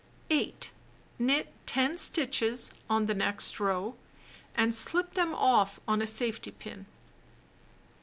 8. Knit 10 stitches on the next row, and slip them off on a safety pin.